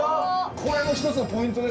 これも一つのポイントですね。